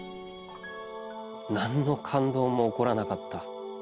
「何の感動も起らなかった。